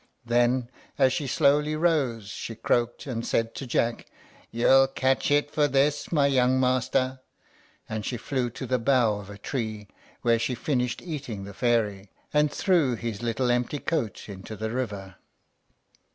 Then, as she slowly rose, she croaked, and said to Jack, "You'll catch it for this, my young master!" and she flew to the bough of a tree, where she finished eating the fairy, and threw his little empty coat into the river.